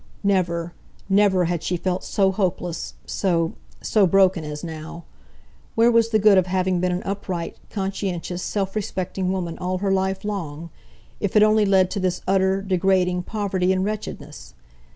Never, never had she felt so hopeless, so—so broken as now. Where was the good of having been an upright, conscientious, self respecting woman all her life long, if it only led to this utter, degrading poverty and wretchedness?